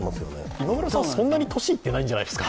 今村さん、そんなに年いってないんじゃないですか。